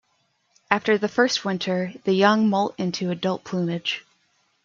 After the first winter, the young moult into adult plumage.